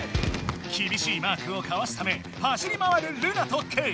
きびしいマークをかわすため走り回るルナとケイ！